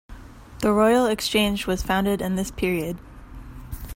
The Royal Exchange was founded in this period.